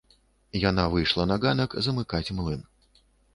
Яна выйшла на ганак замыкаць млын.